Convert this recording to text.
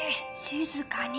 静かに！